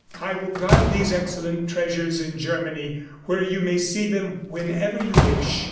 I will guard these excellent treasures in Germany where you may see them whenever you wish.